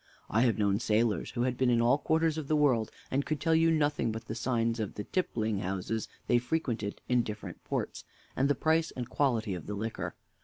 I have known sailors, who had been in all quarters of the world, and could tell you nothing but the signs of the tippling houses they frequented in different ports, and the price and quality of the liquor.